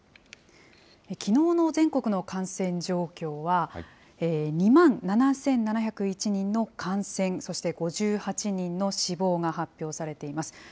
きのうの全国の感染状況は、２万７７０１人の感染、そして５８人の死亡が発表されています。